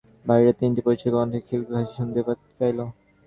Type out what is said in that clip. উমা লিখিতে লিখিতে সহসা গৃহের বাহিরে তিনটি পরিচিত কণ্ঠের খিলখিল হাসি শুনিতে পাইল।